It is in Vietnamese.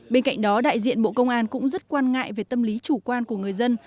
bên cạnh đó đại diện bộ công an cũng rất quan ngại về tâm lý chủ quan của người dân